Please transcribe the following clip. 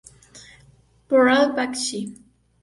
Por Ralph Bakshi.